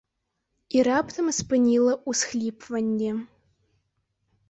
І раптам спыніла ўсхліпванне.